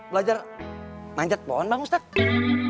belajar manjat pohon bang ustadz